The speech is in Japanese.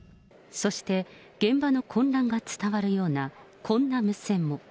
そして、現場の混乱が伝わるような、こんな無線も。